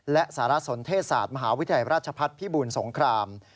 และสารสนเทศศาสตร์มหาวิทยาลัยราชพัฒน์พิบูลสงคราม